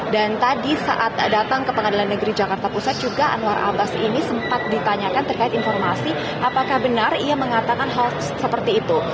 dan tadi saat datang ke pengadilan negeri jakarta pusat juga anwar abbas ini sempat ditanyakan terkait informasi apakah benar ia mengatakan hal seperti itu